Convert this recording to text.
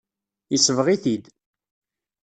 Yesbeɣ-it-id.